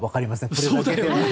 これだけでは。